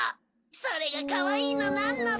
それがかわいいのなんのって。